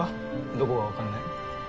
どこがわかんない？